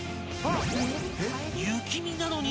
［雪見なのに］